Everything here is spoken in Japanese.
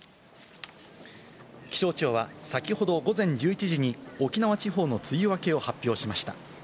気象庁は、さきほど午前１１時に沖縄地方の梅雨明けを発表しました。